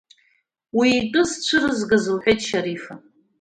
Уи итәы зцәырызгаз, – лҳәеит Шьарифа…